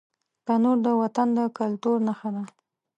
تنور د وطن د کلتور نښه ده